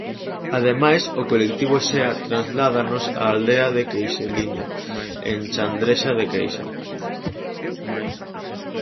Ademais, o colectivo Xea trasládanos á aldea de Queixeliña, en Chandrexa de Queixa.